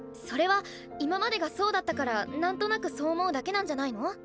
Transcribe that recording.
それは今までがそうだったから何となくそう思うだけなんじゃないの？